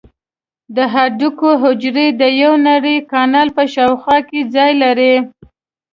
د هډوکو حجرې د یو نري کانال په شاوخوا کې ځای لري.